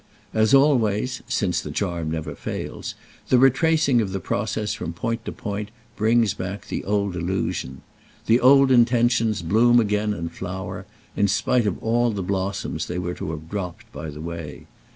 As always—since the charm never fails—the retracing of the process from point to point brings back the old illusion. The old intentions bloom again and flower—in spite of all the blossoms they were to have dropped by the way.